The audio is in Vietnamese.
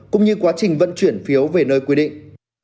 cũng như quá trình vận chuyển phiếu về nơi quy định